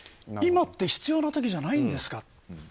今って必要な時じゃないんですか。